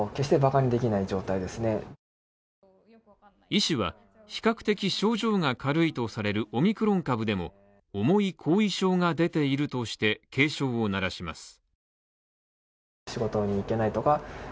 医師は比較的症状が軽いとされるオミクロン株でも重い後遺症が出ているとして警鐘を鳴らします